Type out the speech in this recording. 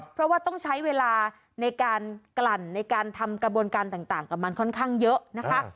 เพราะว่าต้องใช้เวลาในการกลั่นในการทำกระบวนการต่างกับมันค่อนข้างเยอะนะคะ